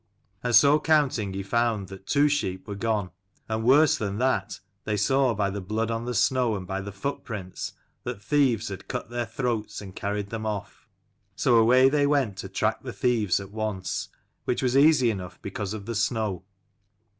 And so counting he found that two sheep were gone : and worse than that, they saw, by the blood on the snow and by the footprints, that thieves had cut their throats and carried them off. So away they went to track the thieves at once, which was easy enough because of the snow.